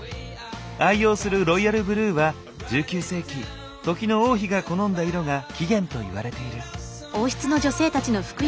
愛用するロイヤルブルーは１９世紀時の王妃が好んだ色が起源といわれている。